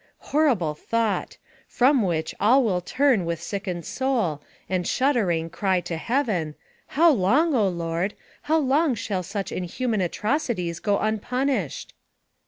Horrible thought ! from which all will turn with sickened soul, and shuddering, cry to Heaven, " How long, O Lord ! how long shall such inhuman attrocities go unpunished